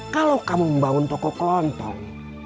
kalau kamu membangun toko kelontong